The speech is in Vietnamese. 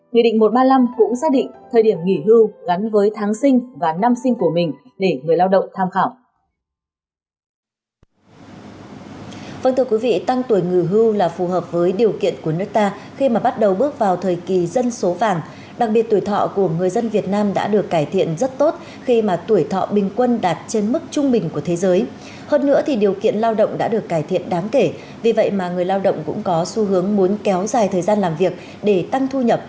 nghị định một trăm ba mươi năm cũng xác định thời điểm nghỉ hưu gắn với tháng sinh và năm sinh của mình để người lao động tham khảo